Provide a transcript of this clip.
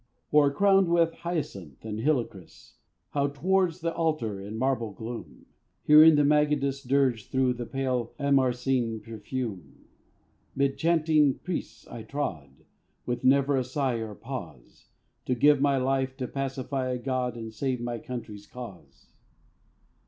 Or, crowned with hyacinth and helichrys, How, towards the altar in the marble gloom, Hearing the magadis Dirge through the pale amaracine perfume, 'Mid chanting priests I trod, With never a sigh or pause, To give my life to pacify a god, And save my country's cause.